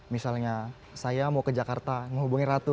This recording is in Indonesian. misalnya saya mau ke jakarta menghubungi ratu